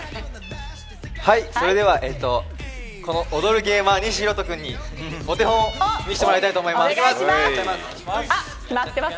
はい、それではこの踊るゲーマー・西洸人君にお手本を見せてもらいたいと思います。